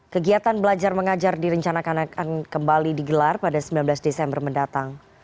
kegiatan belajar mengajar direncanakan akan kembali digelar pada sembilan belas desember mendatang